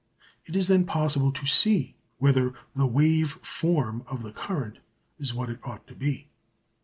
It is then possible to see whether the "wave form" of the current is what it ought to be.